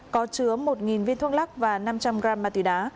có chứa một viên thuốc lắc và năm trăm linh gram ma túy đá